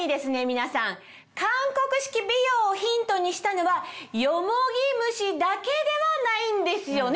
皆さん韓国式美容をヒントにしたのはよもぎ蒸しだけではないんですよね？